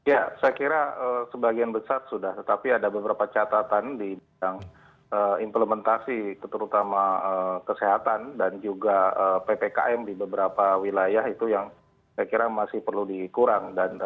ya saya kira sebagian besar sudah tetapi ada beberapa catatan di bidang implementasi terutama kesehatan dan juga ppkm di beberapa wilayah itu yang saya kira masih perlu dikurang